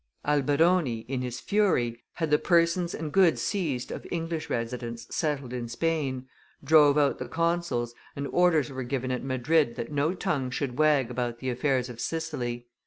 Alberoni, in his fury, had the persons and goods seized of English residents settled in Spain, drove out the consuls, and orders were given at Madrid that no tongue should wag about the affairs of Sicily.